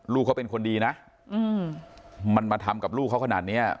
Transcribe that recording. ลูกเขาเป็นคนดีนะมันมาทำกับลูกเขาขนาดเนี้ย